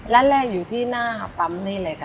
ร้านแรกอยู่ที่หน้าพักปั๊พนี่เลยนะครับ